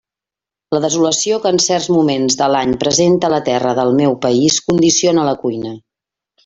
La desolació que en certs moments de l'any presenta la terra del meu país condiciona la cuina.